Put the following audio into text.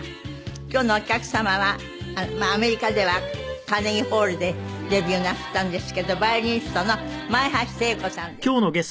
今日のお客様はアメリカではカーネギーホールでデビューなすったんですけどヴァイオリニストの前橋汀子さんです。